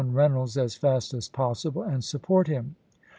Reynolds as fast as possible and support him."